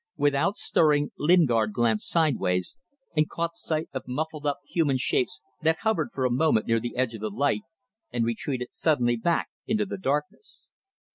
Without stirring Lingard glanced sideways, and caught sight of muffled up human shapes that hovered for a moment near the edge of light and retreated suddenly back into the darkness.